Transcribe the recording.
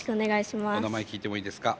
お名前聞いてもいいですか？